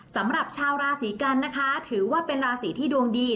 สำหรับชาวราศีกันนะคะถือว่าเป็นราศีที่ดวงดี